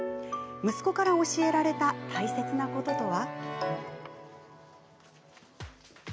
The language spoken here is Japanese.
息子から教えられた大切なこととは？